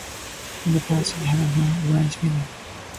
In the past it had a rice miller.